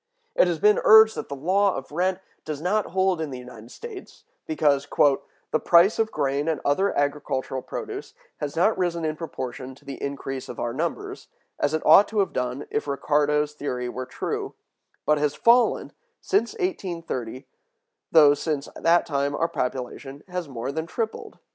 It has been urged that the law of rent does not hold in the United States, because "the price of grain and other agricultural produce has not risen in proportion to the increase of our numbers, as it ought to have done if Ricardo's theory were true, but has fallen, since 1830, though since that time our population has been more than tripled."